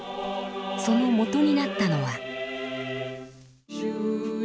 そのもとになったのは。